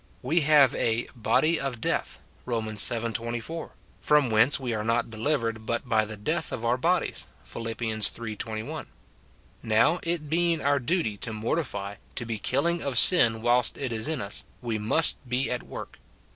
We have a "body of death," Rom. vii. 24 ; from whence we are not delivered but by the death of our bodies, Phil. iii. 21. Now, it being our duty to mortify, to be killing of sin whilst it is in us, we must be at work.